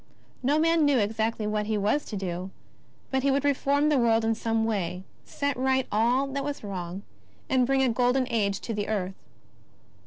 No man knew exactly what He was to do, but He would reform the world in some way, set right all that was wrong, and bring a golden age to the earth.